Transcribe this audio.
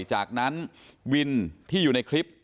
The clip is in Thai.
จากนั้นวินที่อยู่ในคลิป